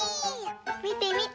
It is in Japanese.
みてみて。